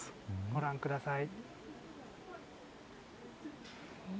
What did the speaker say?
ご覧ください。